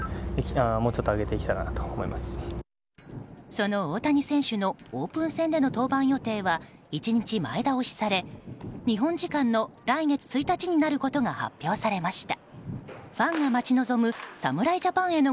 その大谷選手のオープン戦での登板予定は１日前倒しされ日本時間の来月１日になることが発表されました。